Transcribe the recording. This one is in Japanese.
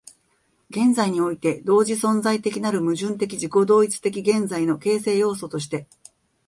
現在において同時存在的なる矛盾的自己同一的現在の形成要素として、